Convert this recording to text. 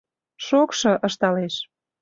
— Шокшо, — ышталеш.